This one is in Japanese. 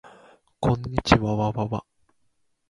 こんにちわわわわ